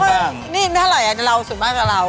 เขาไม่ค่อยนุ่บ๊ะนะแหละอยากเล่าสิ่งมากกว่าเรา